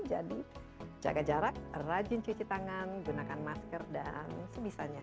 jadi jaga jarak rajin cuci tangan gunakan masker dan sebisanya